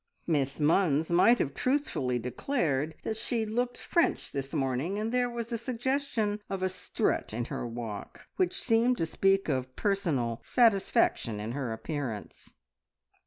Miss Munns might have truthfully declared that she looked French this morning, and there was a suggestion of a strut in her walk which seemed to speak of personal satisfaction in her appearance.